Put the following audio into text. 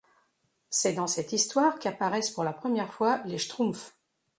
C'est dans cette histoire qu'apparaissent pour la première fois les Schtroumpfs.